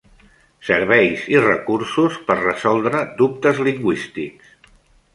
Serveis i recursos per resoldre dubtes lingüístics.